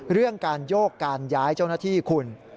เรื่องการโยกการย้ายเจ้าหน้าที่คุณ